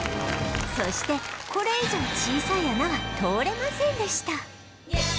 そしてこれ以上小さい穴は通れませんでした